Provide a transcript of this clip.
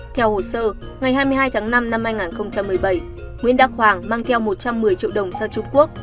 theo hồ sơ ngày hai mươi hai tháng năm năm hai nghìn một mươi bảy nguyễn đắc hoàng mang theo một trăm một mươi triệu đồng sang trung quốc